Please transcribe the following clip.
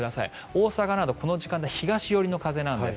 大阪などこの時間で東寄りの風なんです。